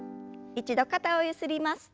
一度肩をゆすります。